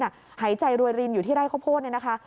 หายใจรวยรินอยู่ที่ไร่ข้าวโพดเนี่ยนะคะ